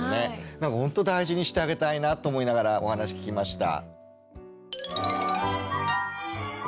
だからほんと大事にしてあげたいなと思いながらお話聞きました。